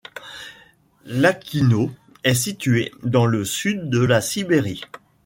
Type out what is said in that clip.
Iachkino est située dans le sud de la Sibérie.